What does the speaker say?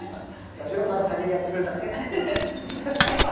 八代さんが先にやってくれたから。